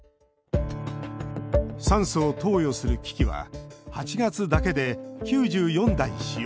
酸素を投与する機器は８月だけで９４台使用。